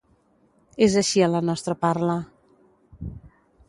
És així en la nostra parla.